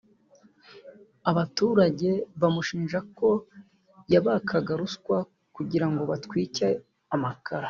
abaturage bamushinja ko yabakaga ruswa kugira ngo batwike amakara